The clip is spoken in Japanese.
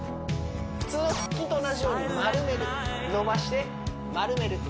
普通の腹筋と同じように丸める伸ばして丸める